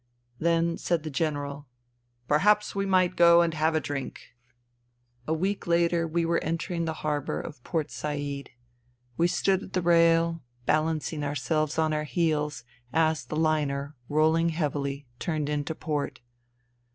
Then said the General, " Perhaps we might go and have a drink ?" A week later we were entering the harbour of 234 FUTILITY Port Said. We stood at the rail, balancing ourselves on our heels, as the liner, rolling heavily, lurned into port.